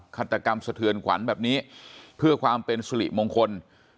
ฆาตกรรมสะเทือนขวัญแบบนี้เพื่อความเป็นสุริมงคล